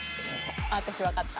私分かった。